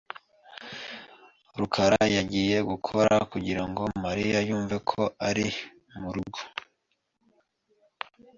rukara yagiye gukora kugirango Mariya yumve ko ari murugo .